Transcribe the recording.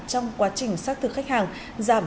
trong quá trình xác thực khách hàng giảm